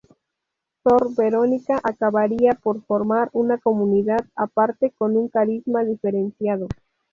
Sor Verónica acabaría por formar una comunidad aparte con un carisma diferenciado.